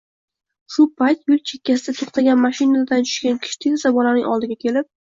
Shu payt yo`l chekkasida to`xtagan mashinadan tushgan kishi tezda bolaning oldiga kelib